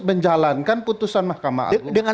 menjalankan putusan mahkamah agung